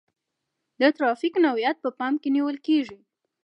د ترافیک نوعیت په پام کې نیول کیږي